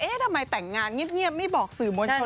ทำไมแต่งงานเงียบไม่บอกสื่อมวลชน